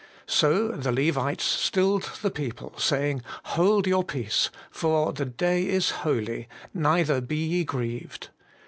So the Levites stilled the people, saying, Hold your peace ; for the day is holy ; neither be ye grieved.